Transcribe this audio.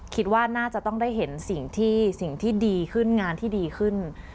คิดว่าน่าจะต้องได้เห็นสิ่งที่สิ่งที่ดีขึ้นงานที่ดีขึ้น